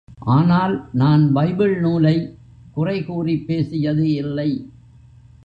ஆனால், நான் பைபிள் நூலைக் குறை கூறிப்பேசியது இல்லை.